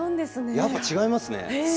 やっぱり違いますね。